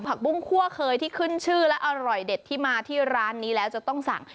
ปุ้งคั่วเคยที่ขึ้นชื่อและอร่อยเด็ดที่มาที่ร้านนี้แล้วจะต้องสั่ง